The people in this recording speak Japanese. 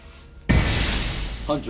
班長。